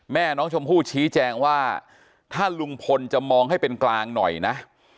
แม่น้องชมพู่ชี้แจงว่าถ้าลุงพลจะมองให้เป็นกลางหน่อยนะ